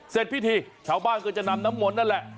เสร็จพิธีเช้าบ้านเขาก็จะนำน้ำหมนนั่นแหละ